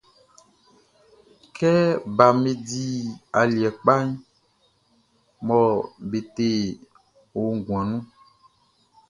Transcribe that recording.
Kɛ baʼm be di aliɛ kpa mɔ be te o nguan nunʼn.